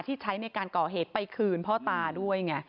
ที่ใช้ในการก่อเหตุไปคืนพ่อตาด้วยไง